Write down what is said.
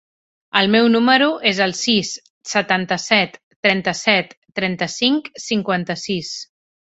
El meu número es el sis, setanta-set, trenta-set, trenta-cinc, cinquanta-sis.